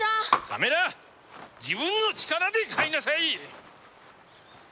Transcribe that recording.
自分の力で買いなさい！